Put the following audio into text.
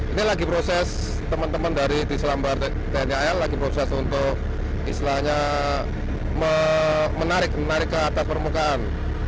ini lagi proses teman teman dari diselambar tni aal lagi proses untuk menarik ke atas permukaan